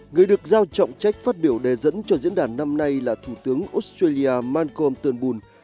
người được giao trọng trách phát biểu đề dẫn cho diễn đàn năm nay là thủ tướng australia malkol ternbul